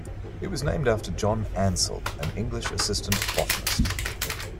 It was named after John Ansell, an English assistant botanist.